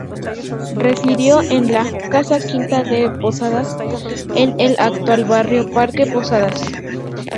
Residió en la "casa-quinta de Posadas", en el actual barrio Parque Posadas.